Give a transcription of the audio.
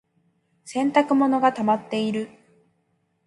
洗濯物がたまっている。